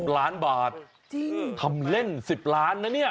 ล้านบาททำเล่น๑๐ล้านนะเนี่ย